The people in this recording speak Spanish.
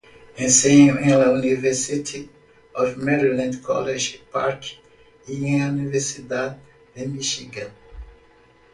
Enseñó en la University of Maryland College Park y en la Universidad de Míchigan.